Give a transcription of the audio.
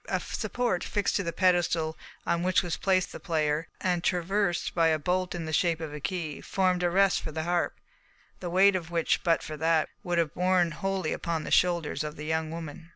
A support, fixed to the pedestal on which was placed the player, and traversed by a bolt in the shape of a key, formed a rest for the harp, the weight of which, but for that, would have borne wholly upon the shoulders of the young woman.